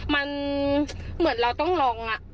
มันเหมือนเราต้องลอง